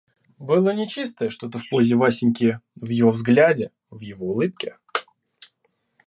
Было нечистое что-то в позе Васеньки, в его взгляде, в его улыбке.